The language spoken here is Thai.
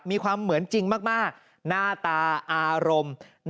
มีความเหมือนจริงมากหน้าตาอารมณ์